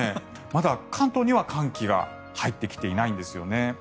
まだ関東には寒気が入ってきていないんですよね。